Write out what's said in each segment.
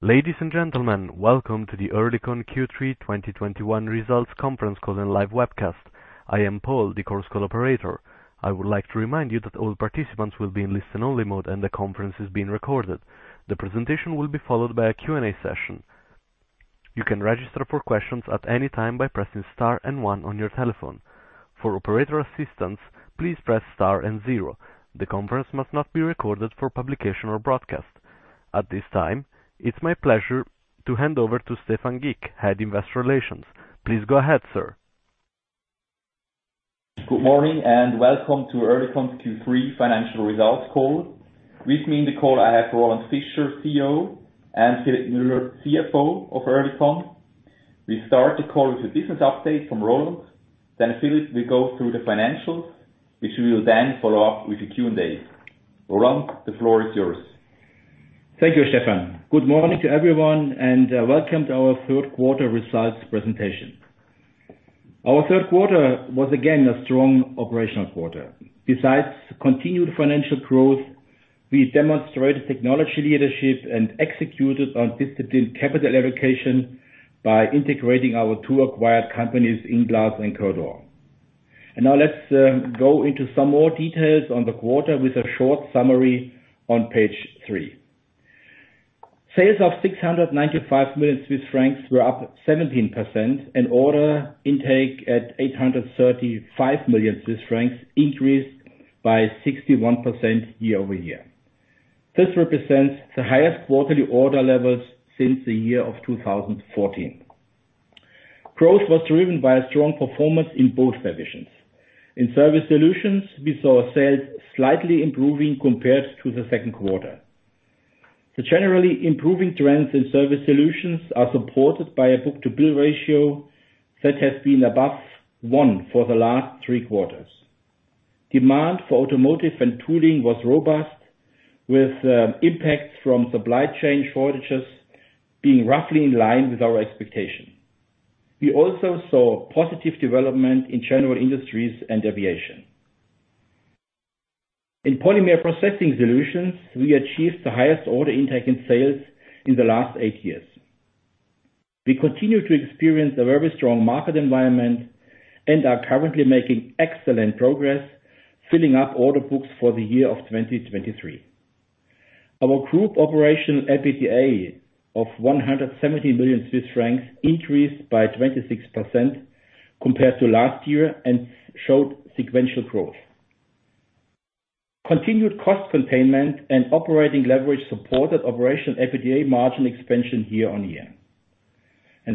Ladies and gentlemen, welcome to the Oerlikon Q3 2021 Results Conference Call and Live Webcast. I am Paul, the Chorus Call operator. I would like to remind you that all participants will be in listen-only mode, and the conference is being recorded. The presentation will be followed by a Q&A session. You can register for questions at any time by pressing star and one on your telephone. For operator assistance, please press star and zero. The conference must not be recorded for publication or broadcast. At this time, it's my pleasure to hand over to Stephan Gick, Head of Investor Relations. Please go ahead, sir. Good morning, and welcome to Oerlikon's Q3 financial results call. With me on the call, I have Roland Fischer, CEO, and Philipp Müller, CFO of Oerlikon. We start the call with a business update from Roland. Then Philipp will go through the financials, which we will then follow up with the Q&A. Roland, the floor is yours. Thank you, Stephan. Good morning to everyone, and welcome to our third quarter results presentation. Our third quarter was again a strong operational quarter. Besides continued financial growth, we demonstrated technology leadership and executed on disciplined capital allocation by integrating our two acquired companies, INglass and Coeurdor. Now let's go into some more details on the quarter with a short summary on page three. Sales of 695 million Swiss francs were up 17% and order intake at 835 million Swiss francs increased by 61% year-over-year. This represents the highest quarterly order levels since the year of 2014. Growth was driven by a strong performance in both divisions. In Service Solutions, we saw sales slightly improving compared to the second quarter. The generally improving trends in service solutions are supported by a book-to-bill ratio that has been above one for the last three quarters. Demand for automotive and tooling was robust, with impacts from supply chain shortages being roughly in line with our expectation. We also saw positive development in general industries and aviation. In Polymer Processing Solutions, we achieved the highest order intake and sales in the last eight years. We continue to experience a very strong market environment and are currently making excellent progress filling up order books for the year of 2023. Our group operational EBITDA of 170 million Swiss francs increased by 26% compared to last year and showed sequential growth. Continued cost containment and operating leverage supported operational EBITDA margin expansion year-on-year.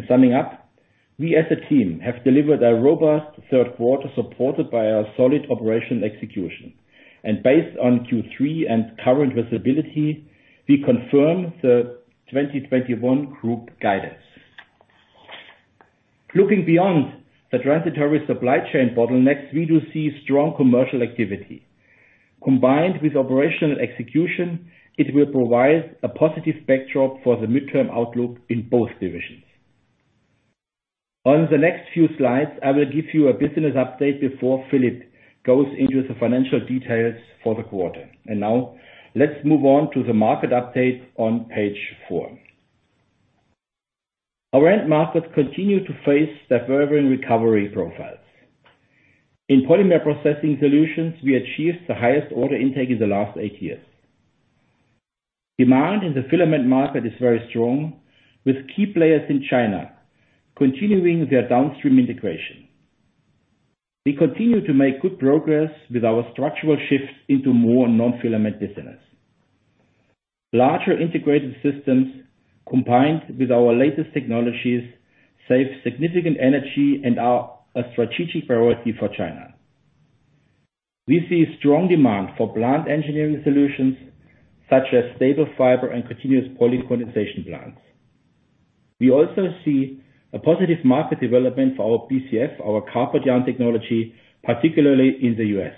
Summing up, we as a team have delivered a robust third quarter supported by our solid operational execution. Based on Q3 and current visibility, we confirm the 2021 group guidance. Looking beyond the transitory supply chain bottlenecks, we do see strong commercial activity. Combined with operational execution, it will provide a positive backdrop for the midterm outlook in both divisions. On the next few slides, I will give you a business update before Philipp goes into the financial details for the quarter. Now let's move on to the market update on page four. Our end markets continue to face diverging recovery profiles. In Polymer Processing Solutions, we achieved the highest order intake in the last 8 years. Demand in the filament market is very strong, with key players in China continuing their downstream integration. We continue to make good progress with our structural shift into more non-filament business. Larger integrated systems, combined with our latest technologies, save significant energy and are a strategic priority for China. We see strong demand for plant engineering solutions such as staple fiber and continuous polycondensation plants. We also see a positive market development for our BCF, our carpet yarn technology, particularly in the U.S.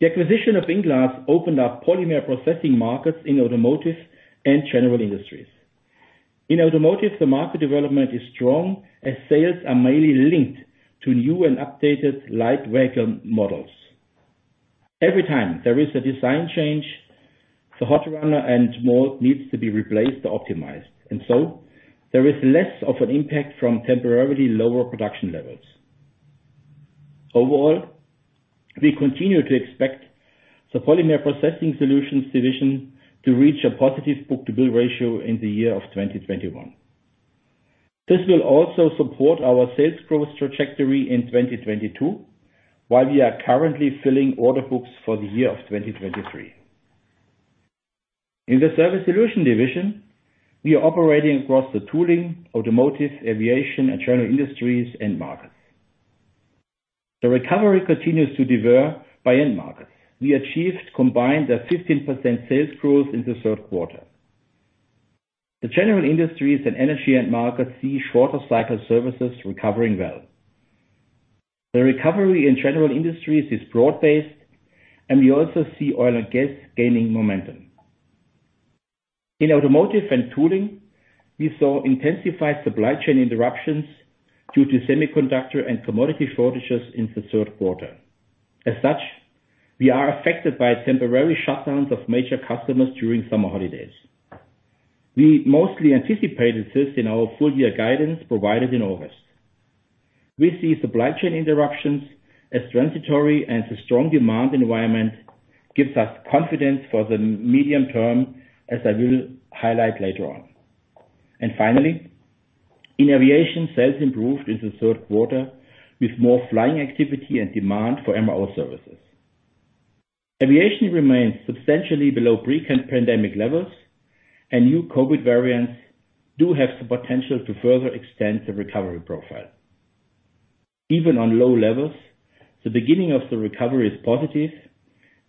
The acquisition of INglass opened up polymer processing markets in automotive and general industries. In automotive, the market development is strong, as sales are mainly linked to new and updated light vehicle models. Every time there is a design change, the hot runner and mold needs to be replaced or optimized, and so there is less of an impact from temporarily lower production levels. Overall, we continue to expect the Polymer Processing Solutions division to reach a positive book-to-bill ratio in the year of 2021. This will also support our sales growth trajectory in 2022, while we are currently filling order books for the year of 2023. In the service solutions division, we are operating across the tooling, automotive, aviation, and general industries end markets. The recovery continues to differ by end markets. We achieved a combined 15% sales growth in the third quarter. The general industries and energy end markets see shorter cycle services recovering well. The recovery in general industries is broad-based, and we also see oil and gas gaining momentum. In automotive and tooling, we saw intensified supply chain interruptions due to semiconductor and commodity shortages in the third quarter. As such, we are affected by temporary shutdowns of major customers during summer holidays. We mostly anticipated this in our full year guidance provided in August. We see supply chain interruptions as transitory and the strong demand environment gives us confidence for the medium term, as I will highlight later on. Finally, in aviation, sales improved in the third quarter with more flying activity and demand for MRO services. Aviation remains substantially below pre-pandemic levels, and new COVID variants do have the potential to further extend the recovery profile. Even on low levels, the beginning of the recovery is positive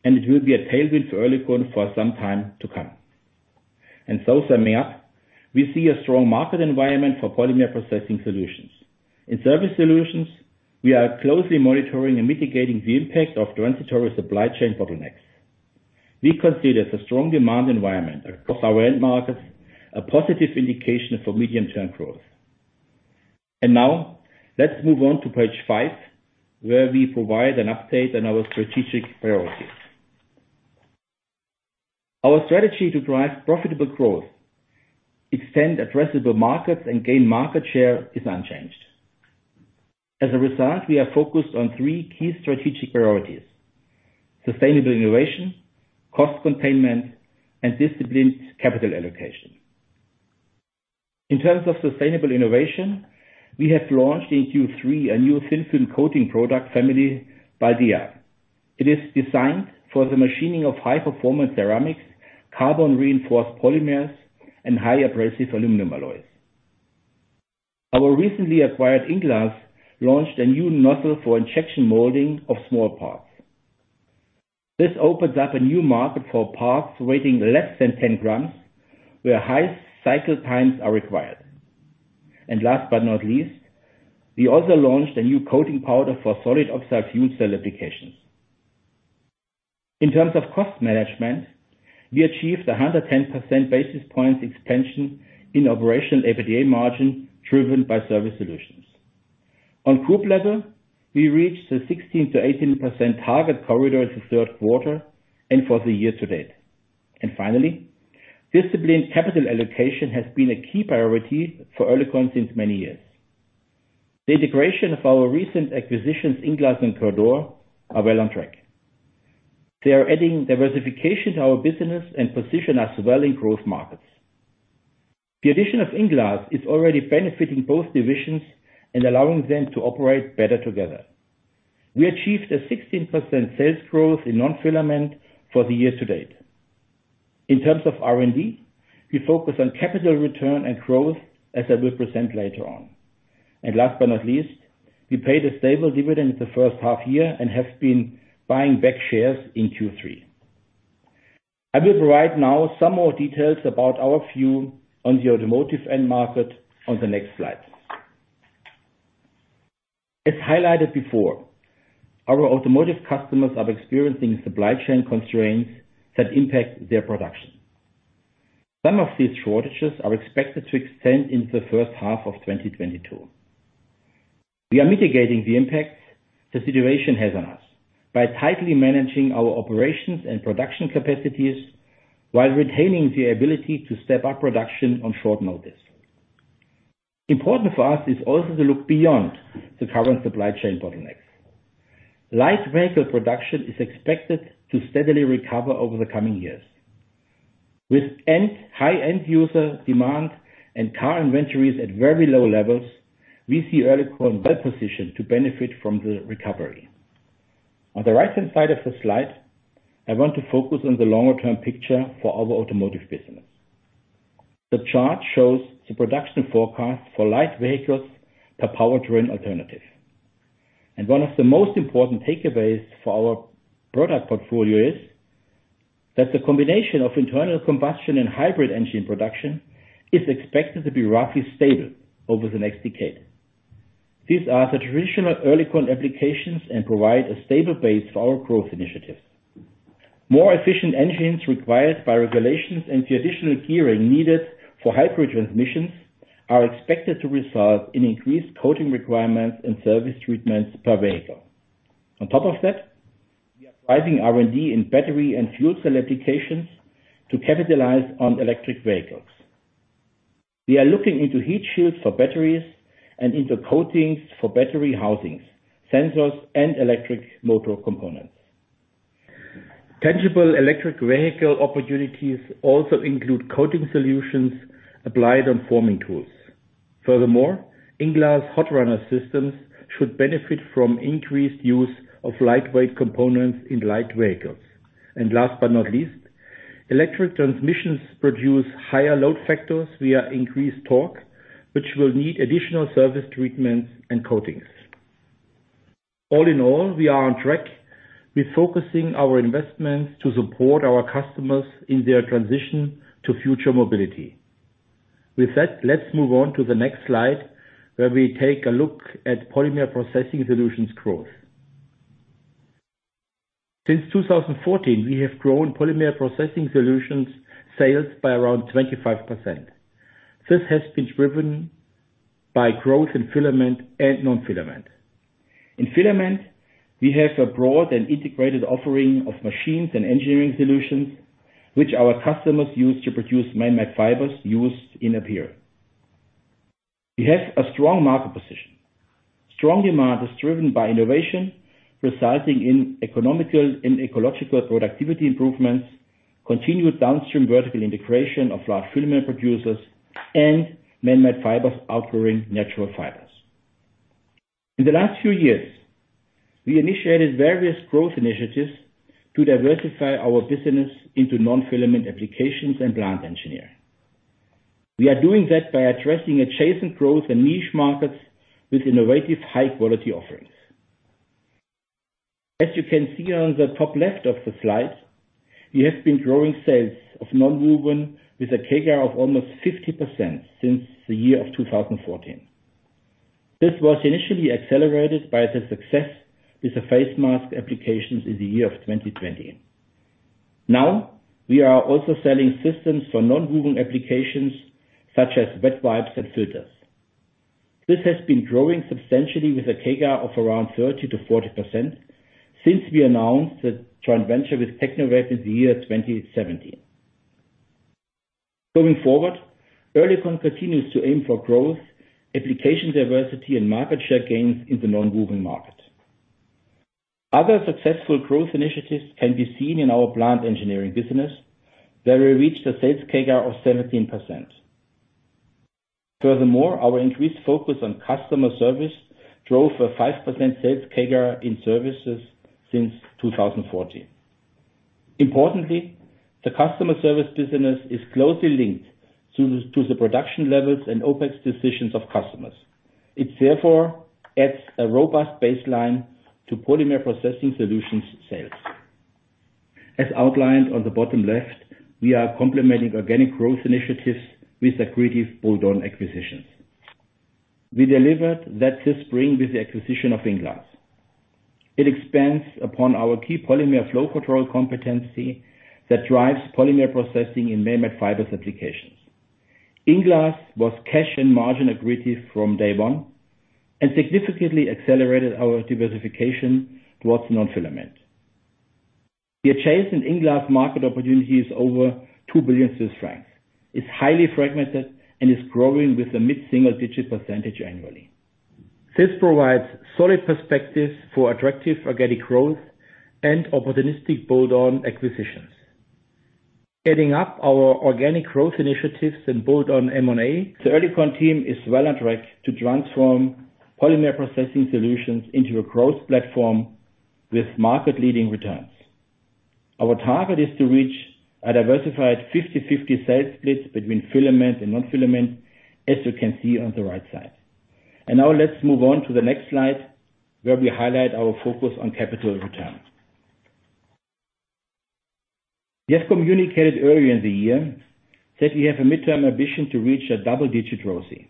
and it will be a tailwind for Oerlikon for some time to come. Summing up, we see a strong market environment for Polymer Processing Solutions. In Service Solutions, we are closely monitoring and mitigating the impact of transitory supply chain bottlenecks. We consider the strong demand environment across our end markets a positive indication for medium-term growth. Now let's move on to page five, where we provide an update on our strategic priorities. Our strategy to drive profitable growth, extend addressable markets, and gain market share is unchanged. As a result, we are focused on three key strategic priorities. Sustainable innovation, cost containment, and disciplined capital allocation. In terms of sustainable innovation, we have launched in Q3 a new thin film coating product family, BALDIA. It is designed for the machining of high performance ceramics, carbon reinforced polymers, and high abrasive aluminum alloys. Our recently acquired INglass launched a new nozzle for injection molding of small parts. This opens up a new market for parts weighing less than 10 grams, where high cycle times are required. Last but not least, we also launched a new coating powder for solid oxide fuel cell applications. In terms of cost management, we achieved 110 basis points expansion in operational EBITDA margin, driven by service solutions. On group level, we reached the 16%-18% target corridor in the third quarter and for the year-to-date. Finally, disciplined capital allocation has been a key priority for Oerlikon since many years. The integration of our recent acquisitions, INglass and Coeurdor, are well on track. They are adding diversification to our business and position us well in growth markets. The addition of INglass is already benefiting both divisions and allowing them to operate better together. We achieved a 16% sales growth in nonwovens for the year-to-date. In terms of R&D, we focus on capital return and growth, as I will present later on. Last but not least, we paid a stable dividend the first half year and have been buying back shares in Q3. I will provide now some more details about our view on the automotive end market on the next slide. As highlighted before, our automotive customers are experiencing supply chain constraints that impact their production. Some of these shortages are expected to extend into the first half of 2022. We are mitigating the impact the situation has on us by tightly managing our operations and production capacities while retaining the ability to step up production on short notice. Important for us is also to look beyond the current supply chain bottlenecks. Light vehicle production is expected to steadily recover over the coming years. With high-end user demand and car inventories at very low levels, we see Oerlikon well positioned to benefit from the recovery. On the right-hand side of the slide, I want to focus on the longer term picture for our automotive business. The chart shows the production forecast for light vehicles per powertrain alternative. One of the most important takeaways for our product portfolio is that the combination of internal combustion and hybrid engine production is expected to be roughly stable over the next decade. These are the traditional Oerlikon applications and provide a stable base for our growth initiatives. More efficient engines required by regulations and the additional gearing needed for hybrid transmissions are expected to result in increased coating requirements and service treatments per vehicle. On top of that, we are driving R&D in battery and fuel cell applications to capitalize on electric vehicles. We are looking into heat shields for batteries and into coatings for battery housings, sensors and electric motor components. Tangible electric vehicle opportunities also include coating solutions applied on forming tools. Furthermore, INglass's hot runner systems should benefit from increased use of lightweight components in light vehicles. Last but not least, electric transmissions produce higher load factors via increased torque, which will need additional service treatments and coatings. All in all, we are on track with focusing our investments to support our customers in their transition to future mobility. With that, let's move on to the next slide, where we take a look at Polymer Processing Solutions growth. Since 2014, we have grown Polymer Processing Solutions sales by around 25%. This has been driven by growth in filament and nonwovens. In filament, we have a broad and integrated offering of machines and engineering solutions, which our customers use to produce man-made fibers used in apparel. We have a strong market position. Strong demand is driven by innovation, resulting in economical and ecological productivity improvements, continued downstream vertical integration of large filament producers, and man-made fibers outgrowing natural fibers. In the last few years, we initiated various growth initiatives to diversify our business into non-filament applications and plant engineering. We are doing that by addressing adjacent growth and niche markets with innovative high-quality offerings. As you can see on the top left of the slide, we have been growing sales of nonwoven with a CAGR of almost 50% since the year of 2014. This was initially accelerated by the success with the face mask applications in the year of 2020. Now, we are also selling systems for nonwoven applications, such as wet wipes and filters. This has been growing substantially with a CAGR of around 30%-40% since we announced the joint venture with Teknoweb in the year 2017. Going forward, Oerlikon continues to aim for growth, application diversity, and market share gains in the nonwoven market. Other successful growth initiatives can be seen in our plant engineering business, where we reached a sales CAGR of 17%. Furthermore, our increased focus on customer service drove a 5% sales CAGR in services since 2014. Importantly, the customer service business is closely linked to the production levels and OpEx decisions of customers. It therefore adds a robust baseline to Polymer Processing Solutions sales. As outlined on the bottom left, we are complementing organic growth initiatives with accretive bolt-on acquisitions. We delivered that this spring with the acquisition of INglass. It expands upon our key polymer flow control competency that drives polymer processing in man-made fibers applications. INglass was cash and margin accretive from day one and significantly accelerated our diversification towards non-filament. The adjacent INglass market opportunity is over 2 billion Swiss francs. It's highly fragmented and is growing with a mid-single digit % annually. This provides solid perspectives for attractive organic growth and opportunistic bolt-on acquisitions. Heading up our organic growth initiatives and bolt-on M&A, the Oerlikon team is well on track to transform Polymer Processing Solutions into a growth platform with market-leading returns. Our target is to reach a diversified 50/50 sales split between filament and non-filament, as you can see on the right side. Now let's move on to the next slide, where we highlight our focus on capital returns. We have communicated earlier in the year that we have a midterm ambition to reach a double-digit ROCE.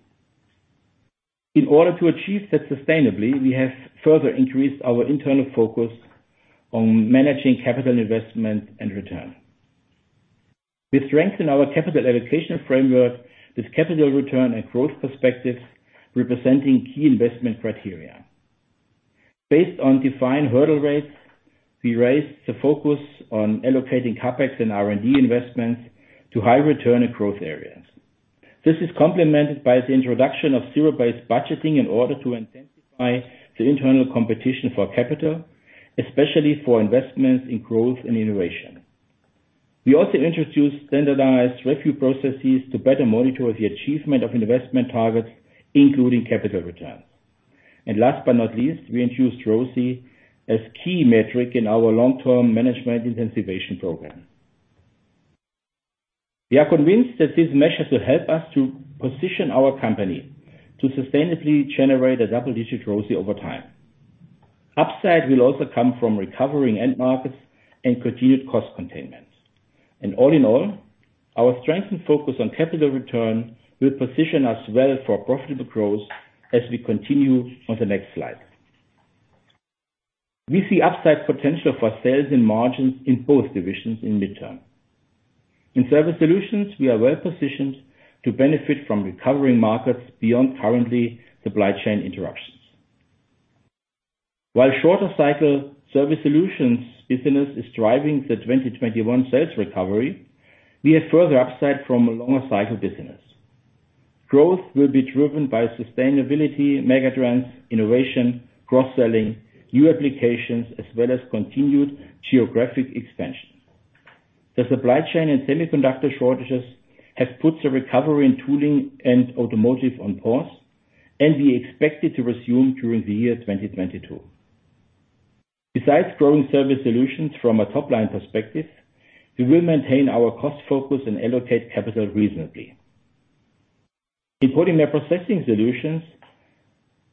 In order to achieve that sustainably, we have further increased our internal focus on managing capital investment and return. We strengthen our capital allocation framework with capital return and growth perspectives representing key investment criteria. Based on defined hurdle rates, we raised the focus on allocating CapEx and R&D investments to high return and growth areas. This is complemented by the introduction of zero-based budgeting in order to intensify the internal competition for capital, especially for investments in growth and innovation. We also introduced standardized review processes to better monitor the achievement of investment targets, including capital returns. Last but not least, we introduced ROCE as key metric in our long-term management incentivization program. We are convinced that these measures will help us to position our company to sustainably generate a double-digit ROCE over time. Upside will also come from recovering end markets and continued cost containments. All in all, our strengthened focus on capital return will position us well for profitable growth as we continue on the next slide. We see upside potential for sales and margins in both divisions in midterm. In Surface Solutions, we are well positioned to benefit from recovering markets beyond currently supply chain interruptions. While shorter cycle Surface Solutions business is driving the 2021 sales recovery, we have further upside from a longer cycle business. Growth will be driven by sustainability, mega trends, innovation, cross-selling, new applications as well as continued geographic expansion. The supply chain and semiconductor shortages has put the recovery in tooling and automotive on pause, and we expect it to resume during the year 2022. Besides growing Service Solutions from a top-line perspective, we will maintain our cost focus and allocate capital reasonably. In Polymer Processing Solutions,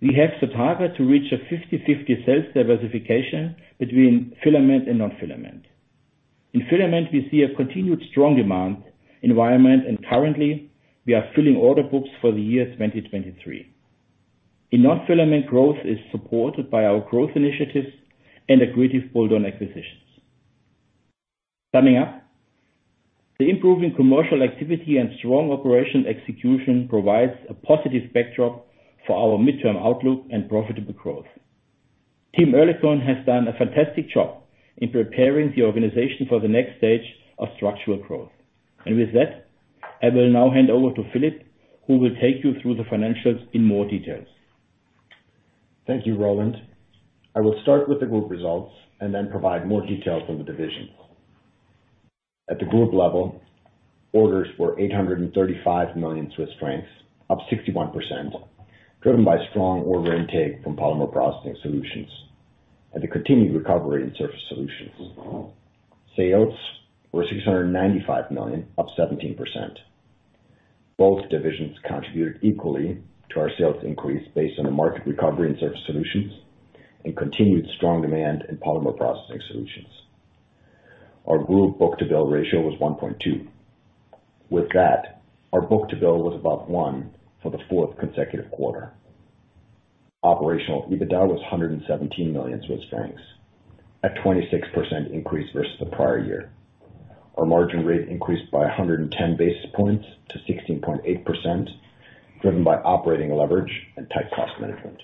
we have the target to reach a 50/50 sales diversification between filament and non-filament. In filament, we see a continued strong demand environment, and currently we are filling order books for the year 2023. In non-filament, growth is supported by our growth initiatives and accretive bolt-on acquisitions. Summing up, the improving commercial activity and strong operational execution provides a positive backdrop for our midterm outlook and profitable growth. Team Oerlikon has done a fantastic job in preparing the organization for the next stage of structural growth. With that, I will now hand over to Philipp, who will take you through the financials in more details. Thank you, Roland. I will start with the group results and then provide more details on the division. At the group level, orders were 835 million Swiss francs, up 61%, driven by strong order intake from Polymer Processing Solutions and the continued recovery in Surface Solutions. Sales were 695 million, up 17%. Both divisions contributed equally to our sales increase based on a market recovery in Surface Solutions and continued strong demand in Polymer Processing Solutions. Our group book-to-bill ratio was 1.2. With that, our book-to-bill was above one for the fourth consecutive quarter. Operational EBITDA was 117 million Swiss francs, a 26% increase versus the prior year. Our margin rate increased by 110 basis points to 16.8%, driven by operating leverage and tight cost management.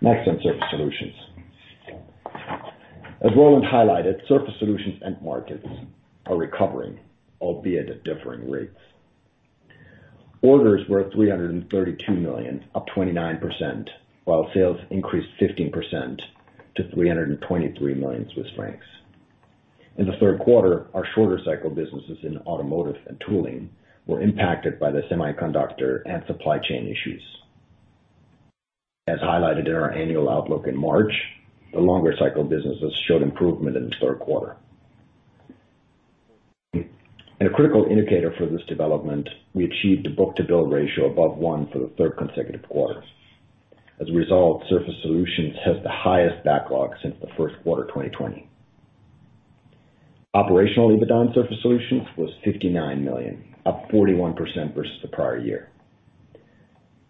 Next on Surface Solutions. As Roland highlighted, Surface Solutions end markets are recovering, albeit at differing rates. Orders were 332 million, up 29%, while sales increased 15% to 323 million Swiss francs. In the third quarter, our shorter cycle businesses in automotive and tooling were impacted by the semiconductor and supply chain issues. As highlighted in our annual outlook in March, the longer cycle businesses showed improvement in the third quarter. In a critical indicator for this development, we achieved a book-to-bill ratio above one for the third consecutive quarter. As a result, Surface Solutions has the highest backlog since the first quarter of 2020. Operational EBITDA in Surface Solutions was 59 million, up 41% versus the prior year.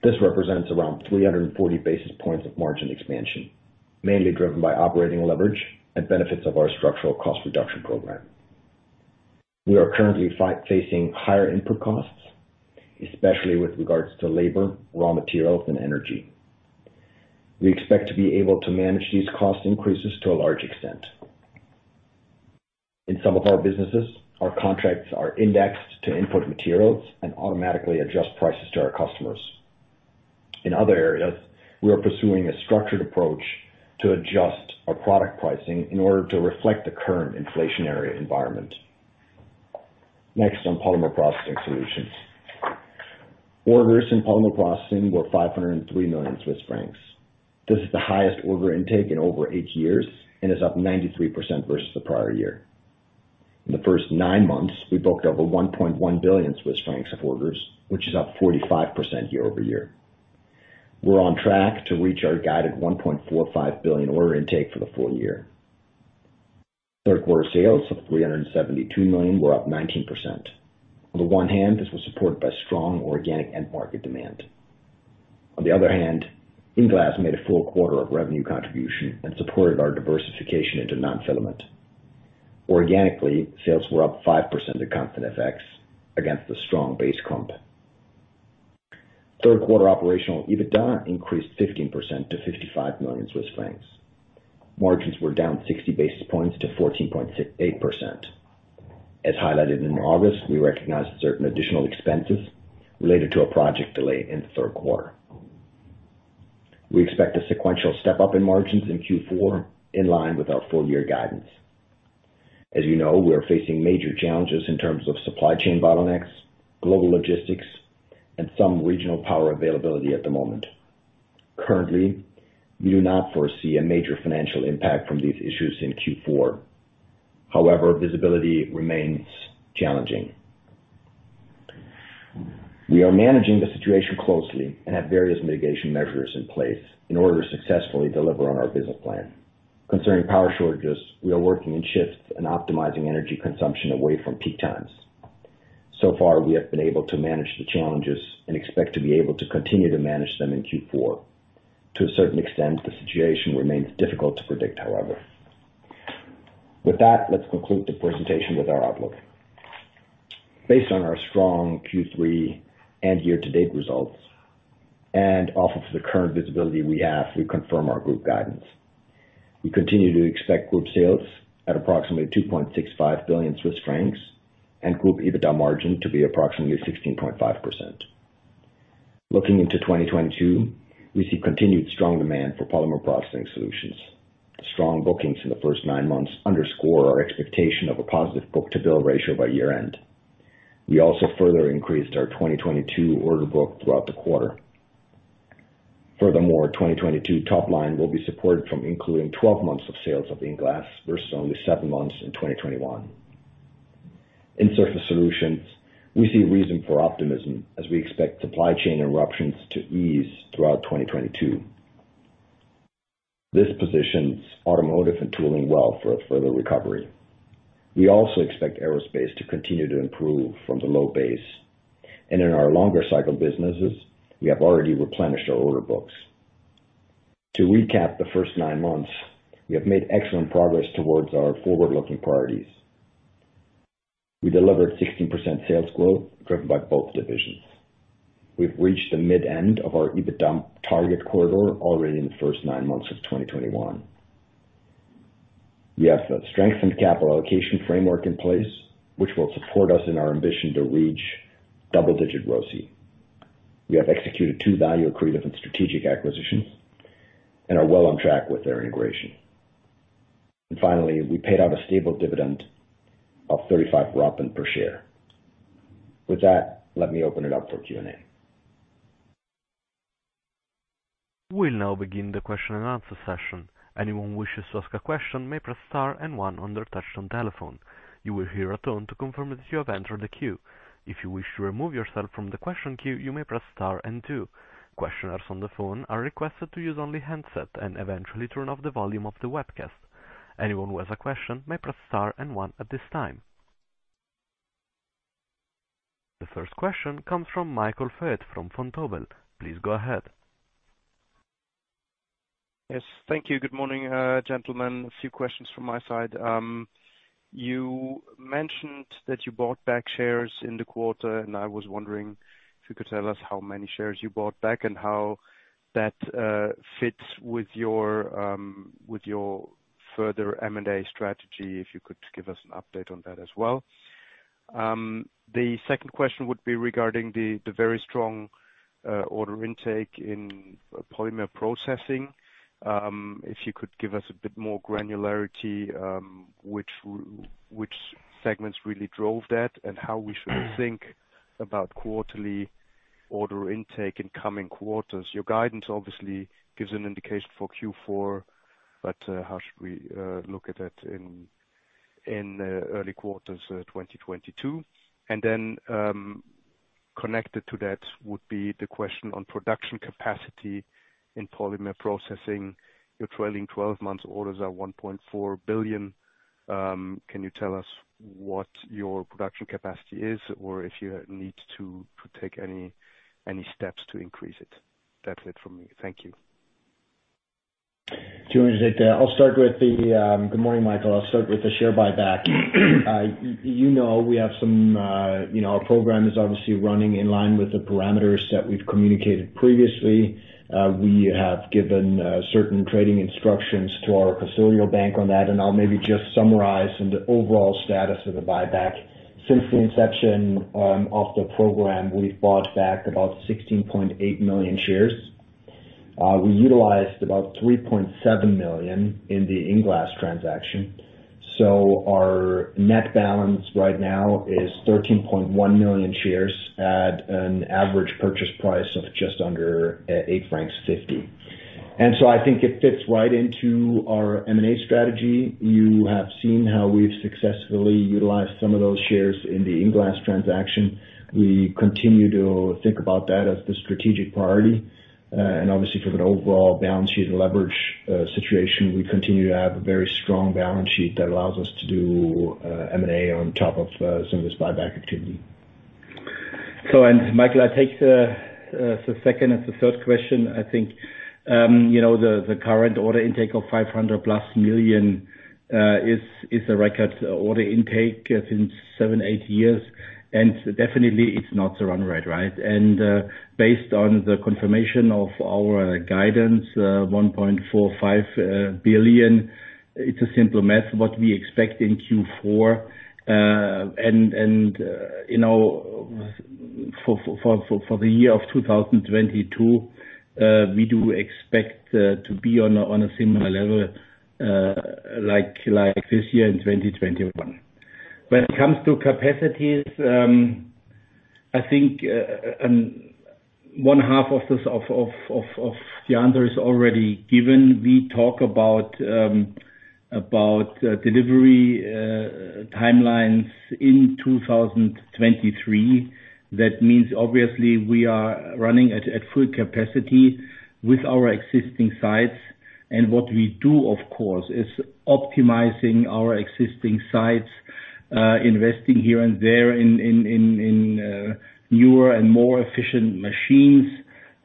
This represents around 340 basis points of margin expansion, mainly driven by operating leverage and benefits of our structural cost reduction program. We are currently facing higher input costs, especially with regards to labor, raw materials, and energy. We expect to be able to manage these cost increases to a large extent. In some of our businesses, our contracts are indexed to input materials and automatically adjust prices to our customers. In other areas, we are pursuing a structured approach to adjust our product pricing in order to reflect the current inflationary environment. Next on Polymer Processing Solutions. Orders in Polymer Processing were 503 million Swiss francs. This is the highest order intake in over eight years and is up 93% versus the prior year. In the first nine months, we booked over 1.1 billion Swiss francs of orders, which is up 45% year-over-year. We're on track to reach our guided 1.45 billion order intake for the full year. Third quarter sales of 372 million were up 19%. On the one hand, this was supported by strong organic end market demand. On the other hand, INglass made a full quarter of revenue contribution and supported our diversification into non-filament. Organically, sales were up 5% at constant FX against a strong base comp. Third quarter operational EBITDA increased 15% to 55 million Swiss francs. Margins were down 60 basis points to 14.8%. As highlighted in August, we recognized certain additional expenses related to a project delay in the third quarter. We expect a sequential step-up in margins in Q4, in line with our full year guidance. As you know, we are facing major challenges in terms of supply chain bottlenecks, global logistics, and some regional power availability at the moment. Currently, we do not foresee a major financial impact from these issues in Q4. However, visibility remains challenging. We are managing the situation closely and have various mitigation measures in place in order to successfully deliver on our business plan. Concerning power shortages, we are working in shifts and optimizing energy consumption away from peak times. So far, we have been able to manage the challenges and expect to be able to continue to manage them in Q4. To a certain extent, the situation remains difficult to predict, however. With that, let's conclude the presentation with our outlook. Based on our strong Q3 and year-to-date results and off of the current visibility we have, we confirm our group guidance. We continue to expect group sales at approximately 2.65 billion Swiss francs and group EBITDA margin to be approximately 16.5%. Looking into 2022, we see continued strong demand for Polymer Processing Solutions. Strong bookings in the first nine months underscore our expectation of a positive book-to-bill ratio by year end. We also further increased our 2022 order book throughout the quarter. Furthermore, 2022 top line will be supported from including 12 months of sales of INglass versus only seven months in 2021. In Surface Solutions, we see reason for optimism as we expect supply chain disruptions to ease throughout 2022. This positions automotive and tooling well for a further recovery. We also expect aerospace to continue to improve from the low base. In our longer cycle businesses, we have already replenished our order books. To recap the first nine months, we have made excellent progress towards our forward-looking priorities. We delivered 16% sales growth, driven by both divisions. We've reached the mid-end of our EBITDA target corridor already in the first nine months of 2021. We have a strengthened capital allocation framework in place, which will support us in our ambition to reach double-digit ROCE. We have executed two value-accretive and strategic acquisitions and are well on track with their integration. Finally, we paid out a stable dividend of 0.35 per share. With that, let me open it up for Q&A. We'll now begin the question and answer session. Anyone who wishes to ask a question may press star and one on their touchtone telephone. You will hear a tone to confirm that you have entered the queue. If you wish to remove yourself from the question queue, you may press star and two. Questioners on the phone are requested to use only handset and eventually turn off the volume of the webcast. Anyone who has a question may press star and one at this time. The first question comes from Michael Foeth from Vontobel. Please go ahead. Yes, thank you. Good morning, gentlemen. A few questions from my side. You mentioned that you bought back shares in the quarter, and I was wondering if you could tell us how many shares you bought back and how that fits with your further M&A strategy. If you could give us an update on that as well. The second question would be regarding the very strong order intake in polymer processing. If you could give us a bit more granularity, which segments really drove that, and how we should think about quarterly order intake in coming quarters. Your guidance obviously gives an indication for Q4, but how should we look at that in early quarters, 2022? Then, connected to that would be the question on production capacity in polymer processing. Your trailing twelve months orders are 1.4 billion. Can you tell us what your production capacity is or if you need to take any steps to increase it? That's it from me. Thank you. Good morning, Michael. I'll start with the share buyback. You know, we have some, you know, our program is obviously running in line with the parameters that we've communicated previously. We have given certain trading instructions to our custodial bank on that, and I'll maybe just summarize the overall status of the buyback. Since the inception of the program, we've bought back about 16.8 million shares. We utilized about 3.7 million in the INglass transaction. Our net balance right now is 13.1 million shares at an average purchase price of just under 8.50 francs. I think it fits right into our M&A strategy. You have seen how we've successfully utilized some of those shares in the INglass transaction. We continue to think about that as the strategic priority. Obviously from an overall balance sheet and leverage situation, we continue to have a very strong balance sheet that allows us to do M&A on top of some of this buyback activity. Michael, I take the second and the third question. I think you know the current order intake of 500+ million is a record order intake since 7-8 years, and definitely it's not the run rate, right? Based on the confirmation of our guidance, 1.45 billion, it's simple math what we expect in Q4. You know, for the year of 2022, we do expect to be on a similar level like this year in 2021. When it comes to capacities, I think one half of the answer is already given. We talk about delivery timelines in 2023. That means obviously we are running at full capacity with our existing sites. What we do, of course, is optimizing our existing sites, investing here and there in newer and more efficient machines.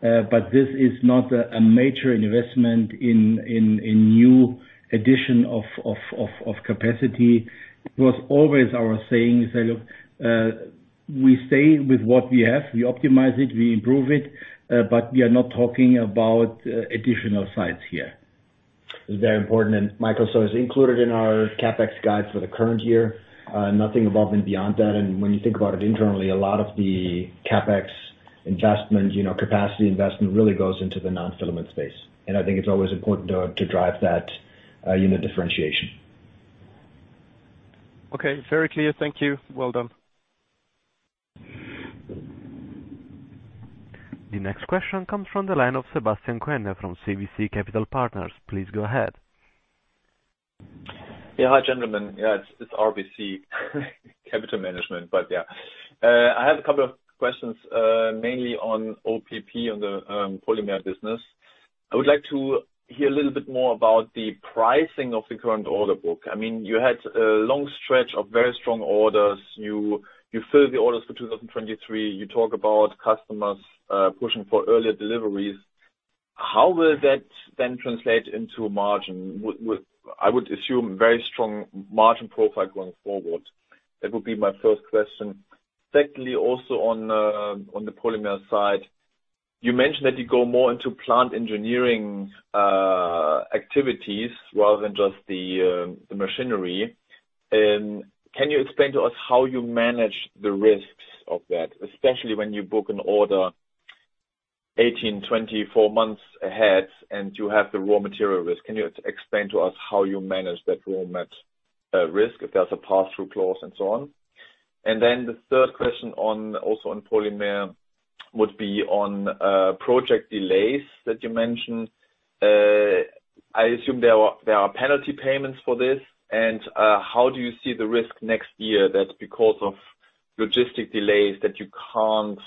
But this is not a major investment in new addition of capacity. It was always our saying that we stay with what we have, we optimize it, we improve it, but we are not talking about additional sites here. It's very important. Michael, it's included in our CapEx guide for the current year. Nothing above and beyond that. When you think about it internally, a lot of the CapEx investment, you know, capacity investment really goes into the non-filament space. I think it's always important to drive that unit differentiation. Okay. Very clear. Thank you. Well done. The next question comes from the line of Sebastian Kuenne from RBC Capital Markets. Please go ahead. Hi, gentlemen. It's RBC Capital Markets. I have a couple of questions, mainly on OPP on the polymer business. I would like to hear a little bit more about the pricing of the current order book. I mean, you had a long stretch of very strong orders. You filled the orders for 2023. You talk about customers pushing for earlier deliveries. How will that then translate into a margin? I would assume very strong margin profile going forward. That would be my first question. Secondly, also on the polymer side, you mentioned that you go more into plant engineering activities rather than just the machinery. Can you explain to us how you manage the risks of that, especially when you book an order 18, 24 months ahead and you have the raw material risk? Can you explain to us how you manage that raw material risk, if there's a pass-through clause and so on? The third question on, also on polymer would be on project delays that you mentioned. I assume there are penalty payments for this. How do you see the risk next year that because of logistic delays that you can't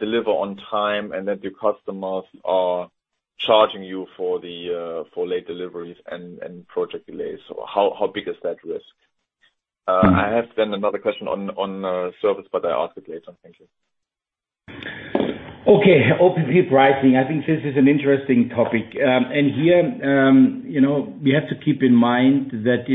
deliver on time, and that your customers are charging you for the late deliveries and project delays? How big is that risk? I have then another question on service, but I ask it later. Thank you. Okay. OPP pricing. I think this is an interesting topic. Here, you know, we have to keep in mind that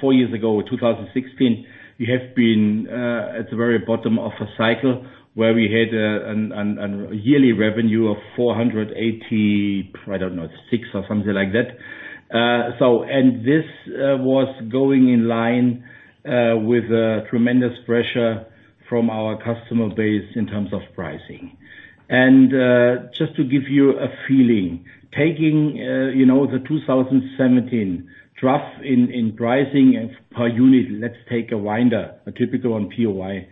four years ago, 2016, we have been at the very bottom of a cycle where we had an yearly revenue of 486 or something like that. This was going in line with tremendous pressure from our customer base in terms of pricing. Just to give you a feeling, taking, you know, the 2017 trend in pricing and per unit, let's take a winder, a typical on POY.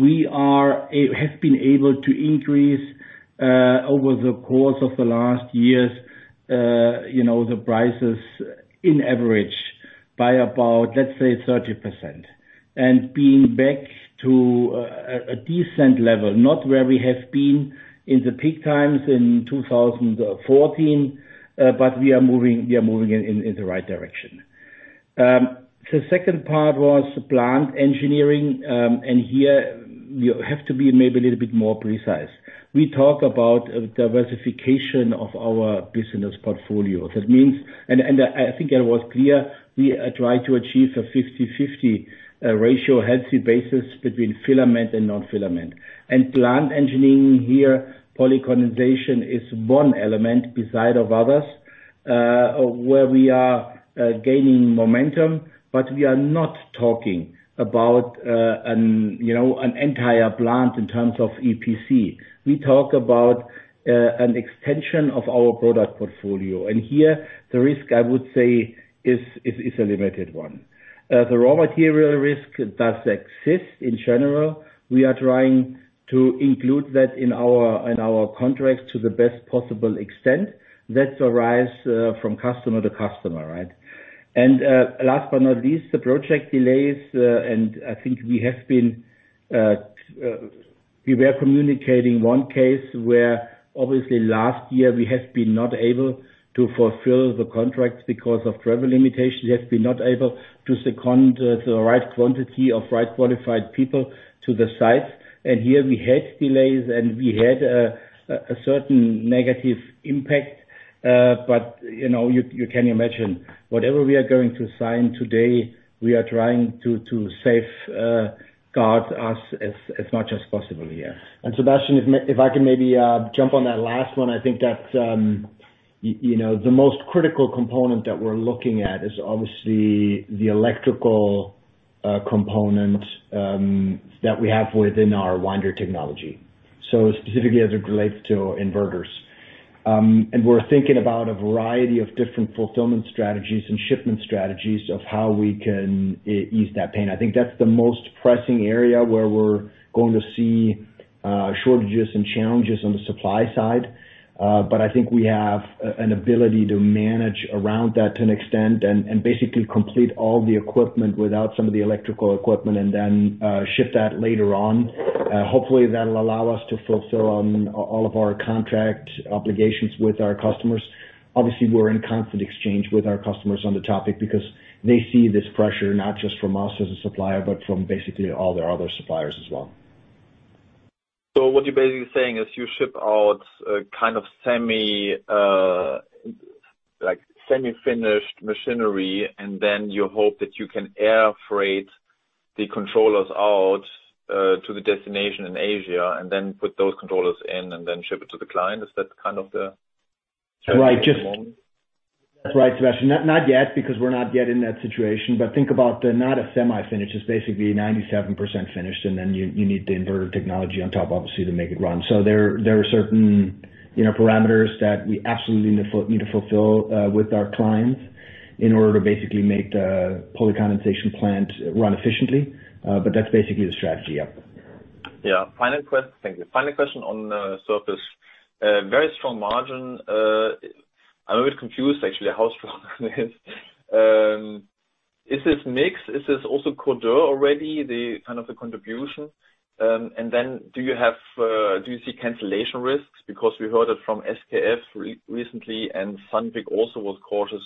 We have been able to increase over the course of the last years, you know, the prices on average by about, let's say, 30%. Being back to a decent level, not where we have been in the peak times in 2014, but we are moving in the right direction. The second part was plant engineering. Here you have to be maybe a little bit more precise. We talk about diversification of our business portfolio. That means I think I was clear, we try to achieve a 50/50 ratio healthy basis between filament and non-filament. Plant engineering here, polycondensation is one element besides others where we are gaining momentum. But we are not talking about, you know, an entire plant in terms of EPC. We talk about an extension of our product portfolio. Here the risk, I would say, is a limited one. The raw material risk does exist in general. We are trying to include that in our contract to the best possible extent that arise from customer-to-customer, right? Last but not least, the project delays. I think we were communicating one case where obviously last year we have been not able to fulfill the contracts because of travel limitations. We have been not able to send the right quantity of right qualified people to the site. Here we had delays, and we had a certain negative impact. You know, you can imagine, whatever we are going to sign today, we are trying to safeguard us as much as possible, yeah. Sebastian, if I can maybe jump on that last one. I think that you know, the most critical component that we're looking at is obviously the electrical component that we have within our winder technology. Specifically as it relates to inverters. We're thinking about a variety of different fulfillment strategies and shipment strategies of how we can ease that pain. I think that's the most pressing area where we're going to see shortages and challenges on the supply side. I think we have an ability to manage around that to an extent and basically complete all the equipment without some of the electrical equipment and then ship that later on. Hopefully that'll allow us to fulfill on all of our contract obligations with our customers. Obviously, we're in constant exchange with our customers on the topic because they see this pressure not just from us as a supplier, but from basically all their other suppliers as well. What you're basically saying is you ship out a kind of semi, like, semi-finished machinery, and then you hope that you can air freight the controllers out to the destination in Asia and then put those controllers in and then ship it to the client. Is that kind of the- Right. -temporary moment. That's right, Sebastian. Not yet, because we're not yet in that situation. Think about not a semi-finished, it's basically 97% finished, and then you need the inverter technology on top, obviously, to make it run. There are certain, you know, parameters that we absolutely need to fulfill with our clients in order to basically make the polycondensation plant run efficiently. That's basically the strategy. Yep. Yeah. Thank you. Final question on Surface. Very strong margin. I'm a bit confused actually how strong it is. Is this mix, is this also already the kind of the contribution? Do you have, do you see cancellation risks? Because we heard it from SKF recently and Sandvik also was cautious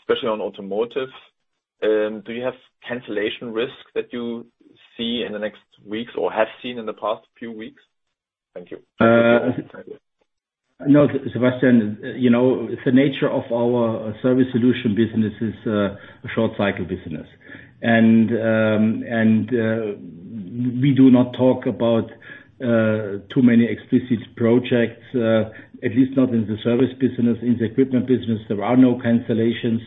especially on automotive. Do you have cancellation risks that you see in the next weeks or have seen in the past few weeks? Thank you. No, Sebastian, you know, the nature of our service solutions business is a short cycle business. We do not talk about too many explicit projects, at least not in the service business. In the equipment business, there are no cancellations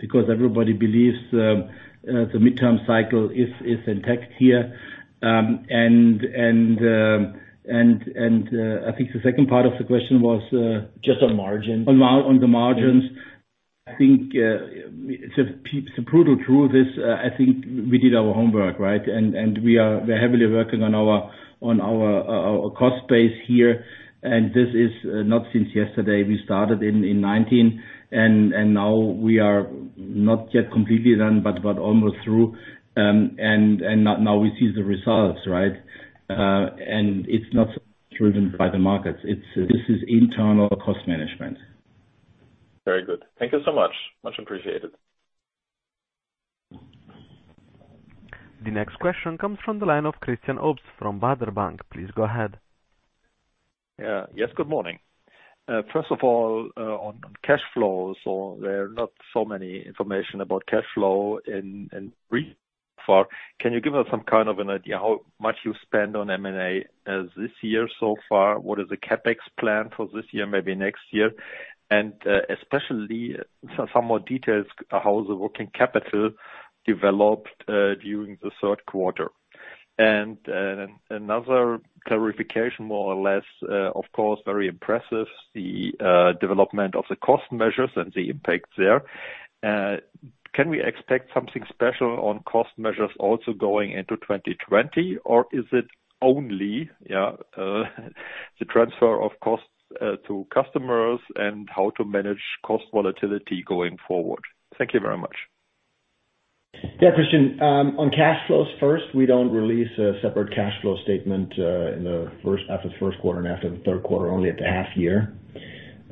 because everybody believes the midterm cycle is intact here. I think the second part of the question was Just on margin. On the margins. Yeah. I think the brutal truth is, I think we did our homework, right? We're heavily working on our cost base here. This is not since yesterday. We started in 2019. Now we are not yet completely done, but almost through. Now we see the results, right? It's not driven by the markets. This is internal cost management. Very good. Thank you so much. Much appreciated. The next question comes from the line of Christian Obst from Baader Bank. Please go ahead. Good morning. First of all, on cash flows, there are not so many information about cash flow in brief so far. Can you give us some kind of an idea how much you spend on M&A this year so far? What is the CapEx plan for this year, maybe next year? Especially some more details, how the working capital developed during the third quarter. Another clarification more or less, of course, very impressive, the development of the cost measures and the impact there. Can we expect something special on cost measures also going into 2020? Or is it only the transfer of costs to customers and how to manage cost volatility going forward? Thank you very much. Yeah, Christian. On cash flows first, we don't release a separate cash flow statement after the first quarter and after the third quarter, only at the half year.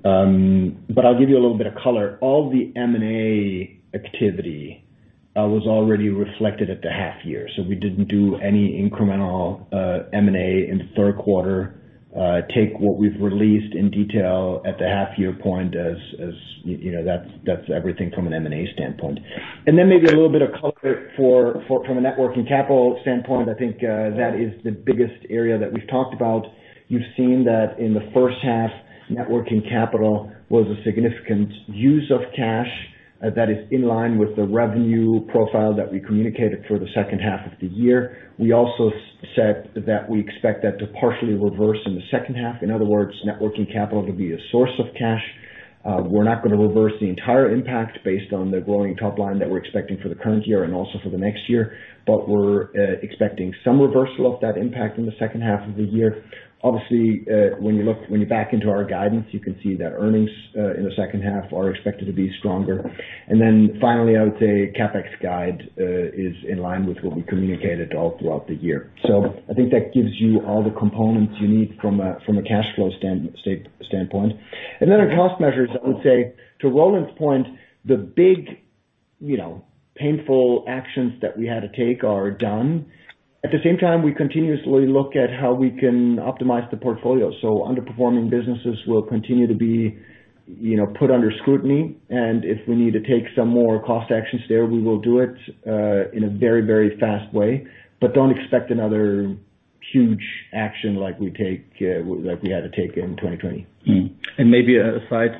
I'll give you a little bit of color. All the M&A activity was already reflected at the half year. We didn't do any incremental M&A in the third quarter. Take what we've released in detail at the half year point as you know, that's everything from an M&A standpoint. Then maybe a little bit of color from a net working capital standpoint, I think that is the biggest area that we've talked about. You've seen that in the first half, net working capital was a significant use of cash, that is in line with the revenue profile that we communicated for the second half of the year. We also said that we expect that to partially reverse in the second half. In other words, net working capital will be a source of cash. We're not gonna reverse the entire impact based on the growing top line that we're expecting for the current year and also for the next year. We're expecting some reversal of that impact in the second half of the year. Obviously, when you back into our guidance, you can see that earnings in the second half are expected to be stronger. Finally, I would say CapEx guide is in line with what we communicated all throughout the year. I think that gives you all the components you need from a cash flow standpoint. Then on cost measures, I would say to Roland's point, the big, you know, painful actions that we had to take are done. At the same time, we continuously look at how we can optimize the portfolio. Underperforming businesses will continue to be, you know, put under scrutiny. If we need to take some more cost actions there, we will do it in a very, very fast way. Don't expect another huge action like we had to take in 2020. Maybe a side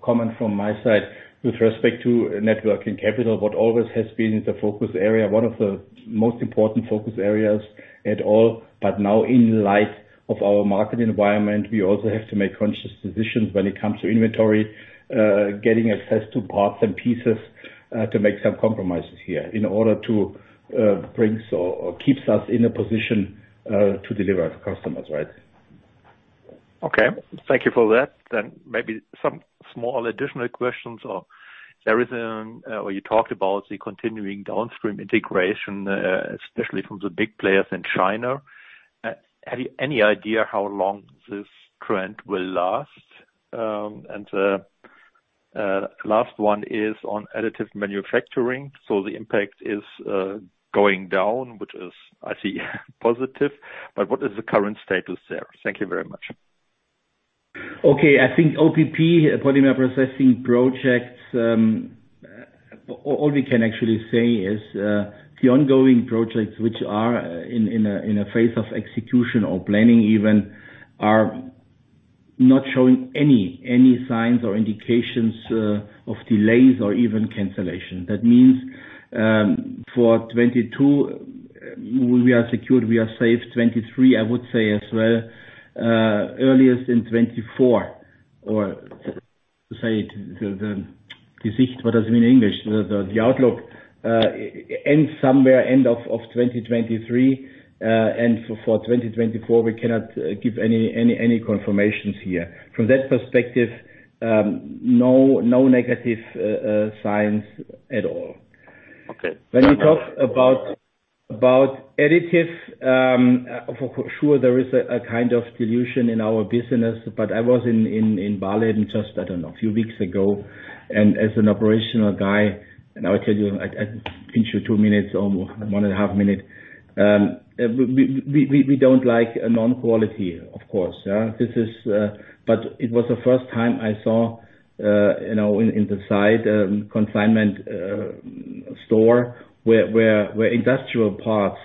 comment from my side. With respect to net working capital, what always has been the focus area, one of the most important focus areas at all, but now in light of our market environment, we also have to make conscious decisions when it comes to inventory, getting access to parts and pieces, to make some compromises here in order to brings or keeps us in a position to deliver to customers, right? Okay. Thank you for that. Maybe some small additional questions. There is, you talked about the continuing downstream integration, especially from the big players in China. Have you any idea how long this trend will last? Last one is on additive manufacturing. The impact is going down, which is, I see positive, but what is the current status there? Thank you very much. Okay. I think OPP, polymer processing projects, all we can actually say is, the ongoing projects which are in a phase of execution or planning even, are not showing any signs or indications, of delays or even cancellation. That means, for 2022, we are secured, we are safe. 2023, I would say as well, earliest in 2024. To say to the Deutsch what does it mean in English? The outlook ends somewhere end of 2023. For 2024, we cannot give any confirmations here. From that perspective, no negative signs at all. Okay. When you talk about additives, for sure there is a kind of dilution in our business. I was in Berlin just, I don't know, a few weeks ago, and as an operational guy, I will tell you in two minutes or one and a half minute. We don't like a non-quality, of course. Yeah. It was the first time I saw, you know, in the site, consignment store where industrial parts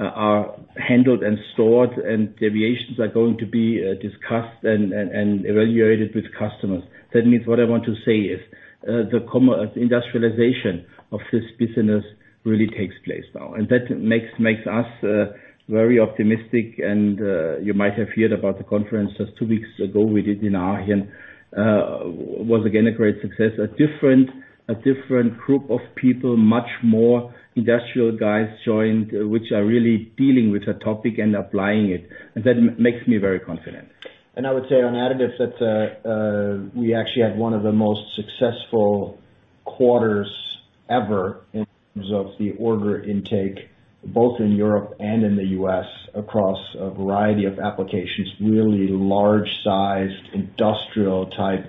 are handled and stored and deviations are going to be discussed and evaluated with customers. That means what I want to say is, the industrialization of this business really takes place now, and that makes us very optimistic. You might have heard about the conference just two weeks ago we did in Aachen. It was again a great success. A different group of people, much more industrial guys, joined, which are really dealing with the topic and applying it. That makes me very confident. I would say on additives that we actually had one of the most successful quarters ever in terms of the order intake, both in Europe and in the U.S., across a variety of applications, really large-sized industrial type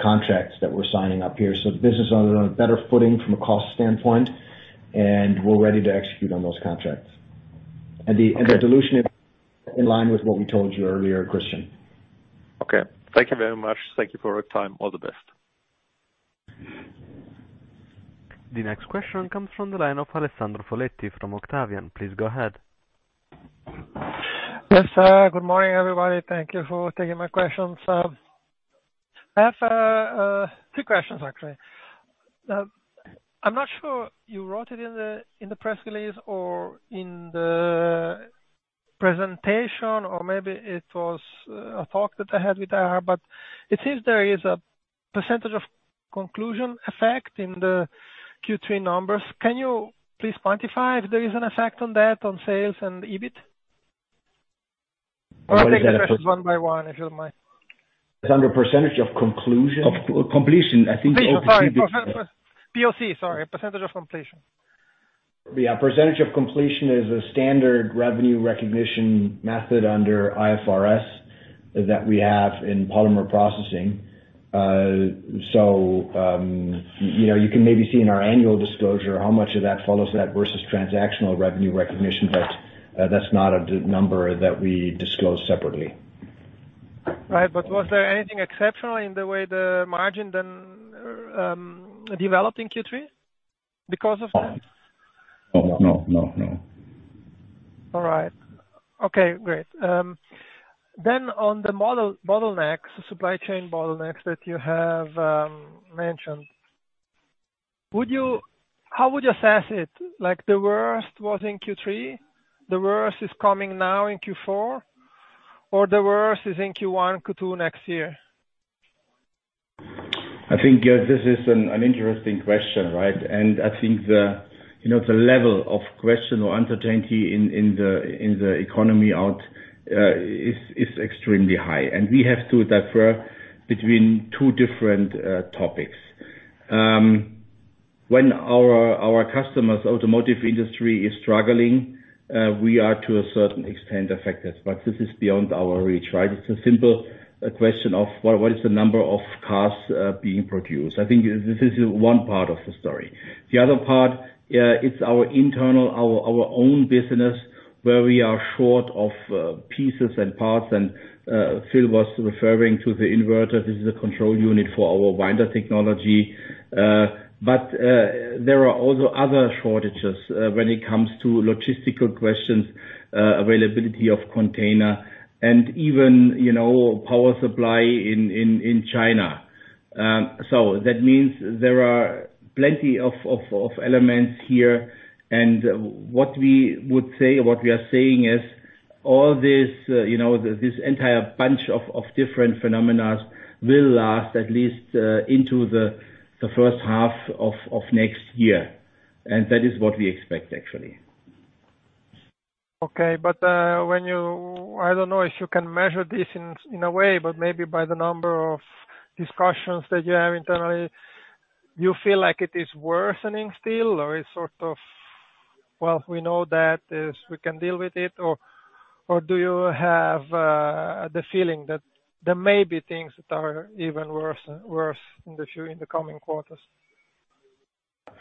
contracts that we're signing up here. The business is on a better footing from a cost standpoint, and we're ready to execute on those contracts. The dilution in line with what we told you earlier, Christian. Okay. Thank you very much. Thank you for your time. All the best. The next question comes from the line of Alessandro Foletti from Octavian. Please go ahead. Yes. Good morning, everybody. Thank you for taking my questions. I have two questions, actually. I'm not sure you wrote it in the press release or in the presentation or maybe it was a talk that I had with Adi. It seems there is a percentage of conclusion effect in the Q3 numbers. Can you please quantify if there is an effect on sales and EBIT? What is that question? I'll take the questions one by one, if you don't mind. Under percentage of conclusion? Of completion, I think. POC. Percentage of completion. Yeah, percentage of completion is a standard revenue recognition method under IFRS that we have in polymer processing. You know, you can maybe see in our annual disclosure how much of that follows that versus transactional revenue recognition. That's not a number that we disclose separately. Right. Was there anything exceptional in the way the margin then developed in Q3 because of that? Oh, no. No, no. All right. Okay, great. On the supply chain bottlenecks that you have mentioned, how would you assess it? Like, the worst was in Q3, the worst is coming now in Q4, or the worst is in Q1, Q2 next year? I think this is an interesting question, right? I think the, you know, the level of uncertainty in the economy is extremely high. We have to differ between two different topics. When our customers, automotive industry is struggling, we are to a certain extent affected, but this is beyond our reach, right? It's a simple question of what is the number of cars being produced. I think this is one part of the story. The other part, it's our internal, our own business where we are short of pieces and parts. Phil was referring to the inverter. This is a control unit for our winder technology. There are also other shortages when it comes to logistical questions, availability of container and even, you know, power supply in China. So that means there are plenty of elements here. What we would say or what we are saying is all this, you know, this entire bunch of different phenomena will last at least into the first half of next year. That is what we expect, actually. I don't know if you can measure this in a way, but maybe by the number of discussions that you have internally, you feel like it is worsening still or it's sort of, well, we know that as we can deal with it, or do you have the feeling that there may be things that are even worse in the coming quarters?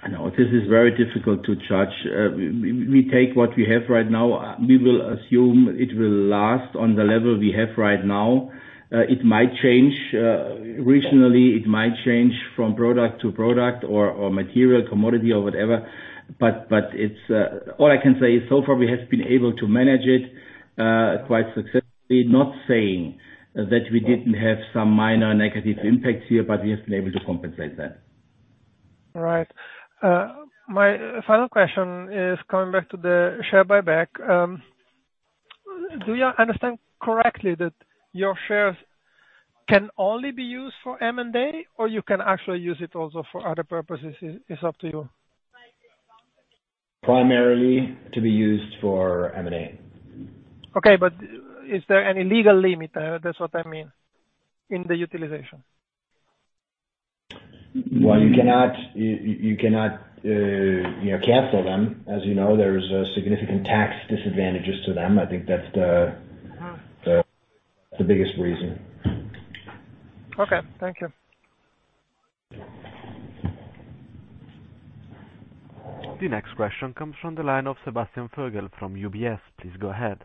I know this is very difficult to judge. We take what we have right now. We will assume it will last on the level we have right now. It might change regionally. It might change from product to product or material, commodity or whatever. All I can say is so far we have been able to manage it quite successfully. Not saying that we didn't have some minor negative impacts here, but we have been able to compensate that. Right. My final question is coming back to the share buyback. Do I understand correctly that your shares can only be used for M&A or you can actually use it also for other purposes, it's up to you? Primarily to be used for M&A. Okay. Is there any legal limit? That's what I mean, in the utilization. Well, you cannot, you know, cancel them. As you know, there's significant tax disadvantages to them. I think that's the- Mm. the biggest reason. Okay, thank you. The next question comes from the line of Sebastian Vogel from UBS. Please go ahead.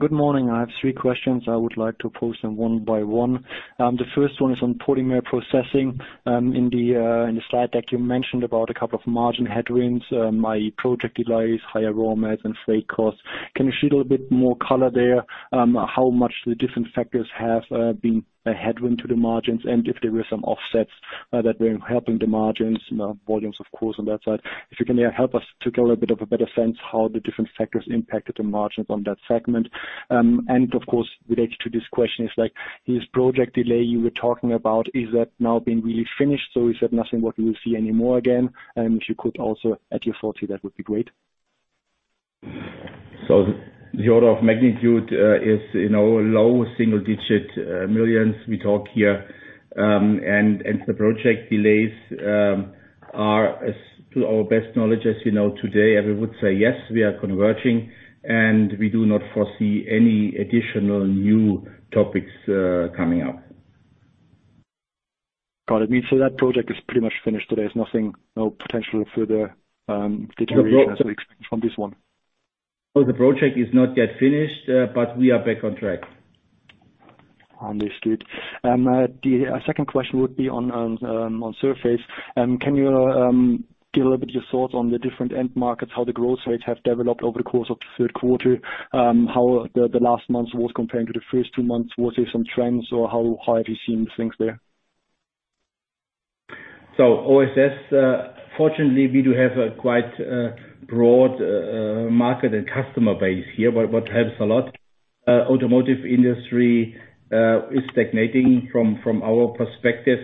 Good morning. I have three questions. I would like to pose them one by one. The first one is on polymer processing. In the slide deck, you mentioned about a couple of margin headwinds, mix project delays, higher raw mats, and freight costs. Can you shed a little bit more color there, how much the different factors have been a headwind to the margins, and if there were some offsets that were helping the margins, you know, volumes, of course, on that side? If you can help us to get a bit of a better sense how the different factors impacted the margins on that segment. Of course, related to this question is like, this project delay you were talking about, is that now been really finished, so is that nothing what we will see anymore again? If you could also add your thoughts here, that would be great. The order of magnitude, you know, is low single-digit millions we talk here. And the project delays are as to our best knowledge as you know today, I would say, yes, we are converging, and we do not foresee any additional new topics coming up. Got it. That project is pretty much finished today. There's nothing, no potential further, deterioration as we expect from this one. No, the project is not yet finished, but we are back on track. Understood. The second question would be on surface. Can you give a little bit of your thoughts on the different end markets, how the growth rates have developed over the course of the third quarter, how the last months was comparing to the first two months? Was there some trends or how have you seen things there? OSS, fortunately, we do have a quite broad market and customer base here, what helps a lot. Automotive industry is stagnating from our perspective.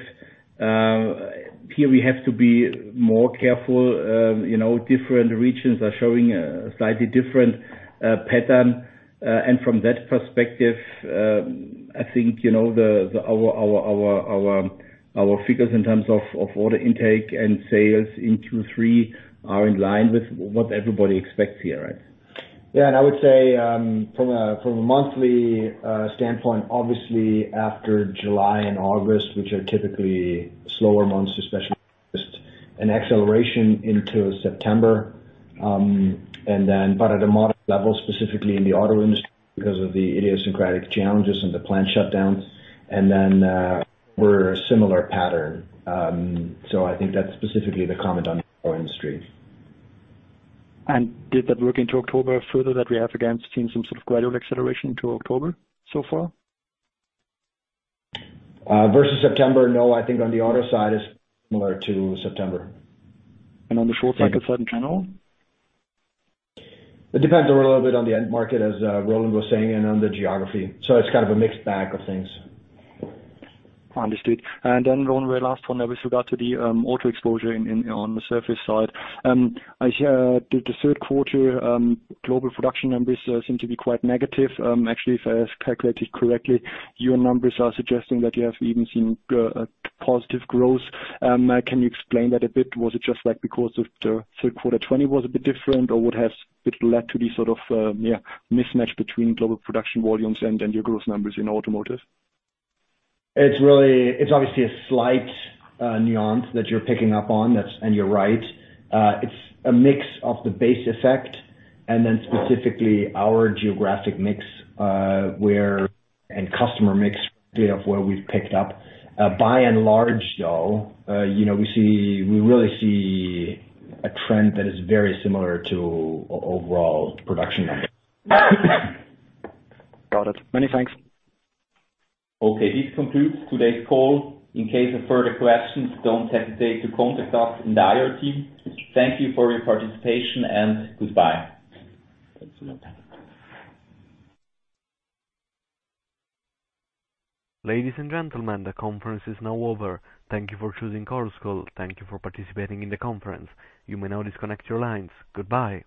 Here we have to be more careful, you know. Different regions are showing a slightly different pattern. From that perspective, I think, you know, our figures in terms of order intake and sales in Q2, Q3 are in line with what everybody expects here, right? Yeah. I would say from a monthly standpoint, obviously after July and August, which are typically slower months especially, an acceleration into September. At a moderate level, specifically in the auto industry because of the idiosyncratic challenges and the plant shutdowns. We saw a similar pattern. I think that's specifically the comment on the auto industry. Did that work into October further, that we have again seen some sort of gradual acceleration into October so far? Versus September, no, I think on the auto side is similar to September. On the short cycle side in general? It depends a little bit on the end market, as Roland was saying, and on the geography. It's kind of a mixed bag of things. Understood. Then Roland, one last one with regard to the auto exposure in on the surface side. I hear the third quarter global production numbers seem to be quite negative. Actually, if I have calculated correctly, your numbers are suggesting that you have even seen positive growth. Can you explain that a bit? Was it just like because of the third quarter '20 was a bit different, or what has led to the sort of mismatch between global production volumes and your growth numbers in automotive? It's really. It's obviously a slight nuance that you're picking up on that's, and you're right. It's a mix of the base effect and then specifically our geographic mix, and customer mix, really, of where we've picked up. By and large, though, you know, we see, we really see a trend that is very similar to overall production numbers. Got it. Many thanks. Okay. This concludes today's call. In case of further questions, don't hesitate to contact us in the IR team. Thank you for your participation, and goodbye. Ladies and gentlemen, the conference is now over. Thank you for choosing Chorus Call. Thank you for participating in the conference. You may now disconnect your lines. Goodbye.